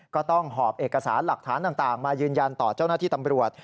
ก็ต้องหอบเอกสารหลักฐานต่างมายืนยันต่อเจ้าหน้าที่ตำรวจ